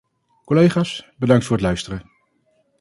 Collega's, bedankt voor het luisteren.